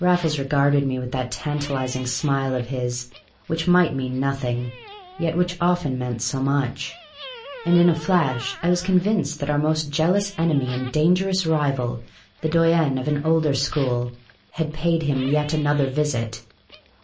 Raffles regarded me with that tantalizing smile of his which might mean nothing, yet which often meant so much; and in a flash I was convinced that our most jealous enemy and dangerous rival, the doyen of an older school, had paid him yet another visit.